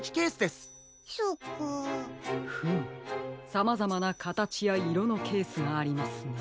さまざまなかたちやいろのケースがありますね。